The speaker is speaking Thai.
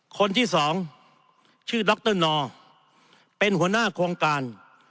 คนที่สองชื่อดรนอร์เป็นหัวหน้าโครงการ